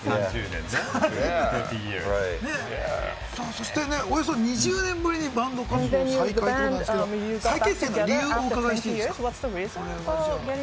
そして、およそ２０年ぶりにバンド活動再開ということですけれども、再結成の理由をお伺いしていいですか？